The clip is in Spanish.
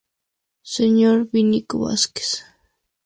Sr. Vinicio Vasquez